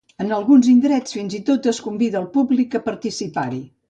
En alguns indrets, fins i tot es convida el públic a participar-hi.